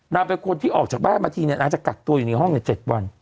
เป็นคนที่ออกจากบ้านมาทีเนี่ยนางจะกักตัวอยู่ในห้อง๗วัน